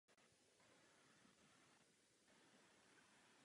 Působil jako politik a vojenský velitel za slovenského štátu.